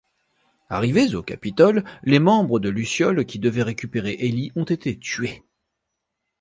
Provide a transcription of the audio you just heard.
Arrivés au capitole, les membres de Lucioles qui devaient récupérer Ellie ont été tués.